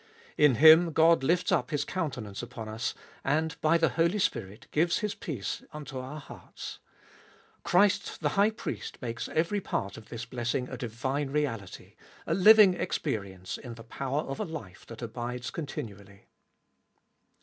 In Him God lifts up His countenance upon us, and, by the Holy Spirit, gives His peace unto our hearts. Christ the High Priest makes every part of this blessing a divine reality, a living experience in the power of a life that abides continually.